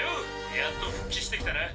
やっと復帰してきたな。